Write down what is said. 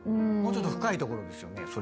もうちょっと深いところですよね